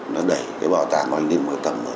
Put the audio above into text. nó đẩy cái bảo tàng của anh đi một cái tầm